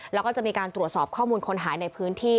แล้วก็จะมีการตรวจสอบข้อมูลคนหายในพื้นที่